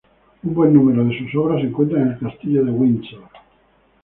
Un buen número de sus obras se encuentra en el Castillo de Windsor.